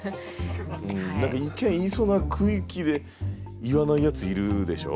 何か一見言いそうな空気で言わないやついるでしょ？